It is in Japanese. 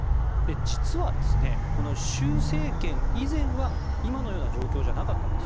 実は、習政権以前は今のような状況じゃなかったんです。